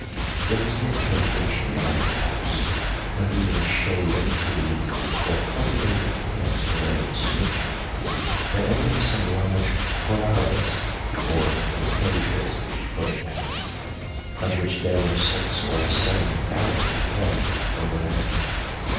There was no plantation about the house, not even a shade tree or cultivated plant of any description, but only some large corrales, or enclosures, for the cattle, of which there were six or seven thousand head on the land.